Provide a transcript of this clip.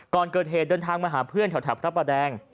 ก่อนเกิดเหตุเดินทางมาหาเพื่อนแถวพระประแดง